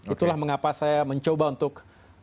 itulah mengapa saya mencoba untuk